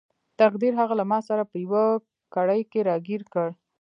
تقدیر هغه له ماسره په یوه کړۍ کې راګیر کړ.